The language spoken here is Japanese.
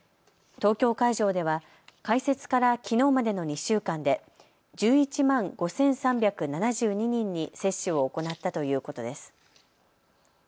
東京会場では開設からきのうまでの２週間で１１万５３７２人に接種を行ったということです。